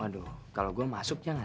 aduh kalau gue masuknya nggak